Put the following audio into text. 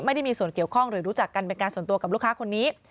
ไม่ได้มีส่วนเกี่ยวข้องหรือรู้จักกันเป็นการส่วนตัวกับลูกค้าคนนี้